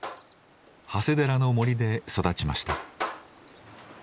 長谷寺の森で育ちました。